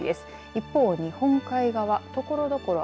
一方、日本海側ところどころ